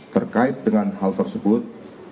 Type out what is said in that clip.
terkait dengan hal tersebut